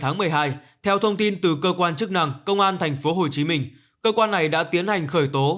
ngày một mươi hai theo thông tin từ cơ quan chức năng công an tp hcm cơ quan này đã tiến hành khởi tố